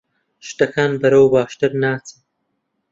شتەکان بەرەو باشتر ناچن.